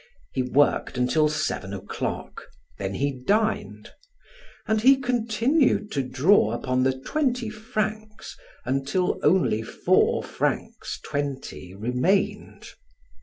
He worked until seven o'clock, then he dined, and he continued to draw upon the twenty francs until only four francs twenty remained.